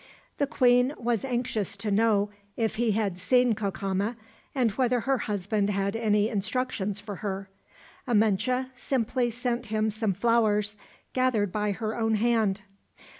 The queen was anxious to know if he had seen Cacama, and whether her husband had any instructions for her. Amenche simply sent him some flowers, gathered by her own hand.